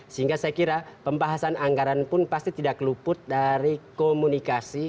sehingga saya kira pembahasan anggaran pun pasti tidak keluput dari komunikasi